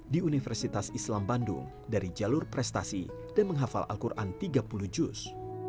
di universitas islam bandung dari jalur prestasi dan menghafal al quran tiga puluh juz